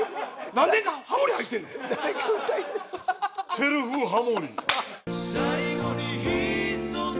セルフハモリだ。